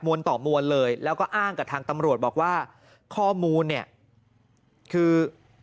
ต่อมวลเลยแล้วก็อ้างกับทางตำรวจบอกว่าข้อมูลเนี่ยคือ